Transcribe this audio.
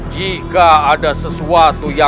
jika ada sesuatu